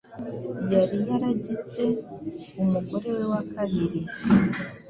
yari yaragize umugore we wa kabiri,